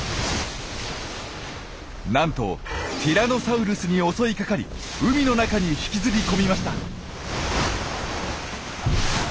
なんとティラノサウルスに襲いかかり海の中に引きずり込みました。